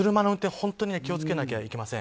本当に気をつけなきゃいけません。